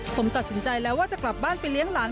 ผมตัดสินใจแล้วว่าจะกลับบ้านไปเลี้ยงหลาน